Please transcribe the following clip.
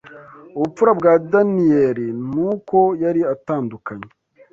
ubupfura bwa Daniyeli n’uko yari atandukanye